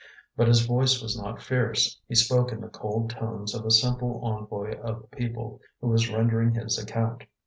But his voice was not fierce; he spoke in the cold tones of a simple envoy of the people, who was rendering his account.